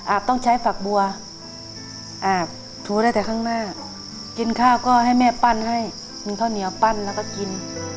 ต้องใช้ฝักบัวอาบถูได้แต่ข้างหน้ากินข้าวก็ให้แม่ปั้นให้กินข้าวเหนียวปั้นแล้วก็กิน